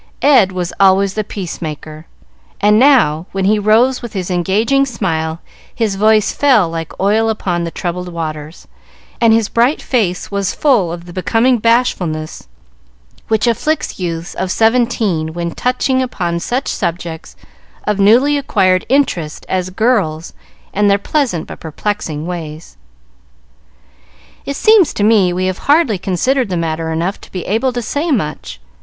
Ed was always the peace maker, and now, when he rose with his engaging smile, his voice fell like oil upon the troubled waters, and his bright face was full of the becoming bashfulness which afflicts youths of seventeen when touching upon such subjects of newly acquired interest as girls and their pleasant but perplexing ways. "It seems to me we have hardly considered the matter enough to be able to say much.